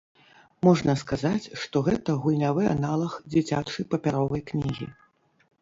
Можна сказаць, што гэта гульнявы аналаг дзіцячай папяровай кнігі.